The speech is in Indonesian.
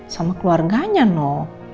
sama keluarganya noh